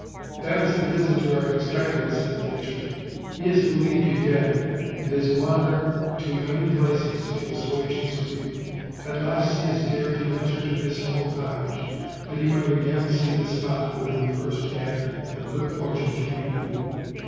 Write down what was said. "That is the visitor I expected," said the pitcher; "he has believed you dead, and has wandered to many places to assuage his grief. At last he has dared to venture to this humble cottage, that he might again see the spot 28 OLD. OLD FAIRY TALES. where he first had the good fortune to meet you.